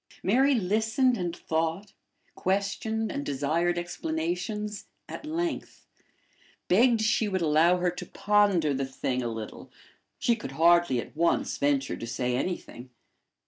Mary listened and thought, questioned, and desired explanations at length, begged she would allow her to ponder the thing a little: she could hardly at once venture to say anything.